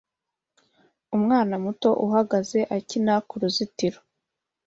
Umwana muto uhagaze akina kuruzitiro